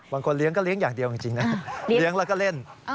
บางคนเลี้ยงก็เลี้ยงอย่างเดียวจริงนะเลี้ยงแล้วก็เล่น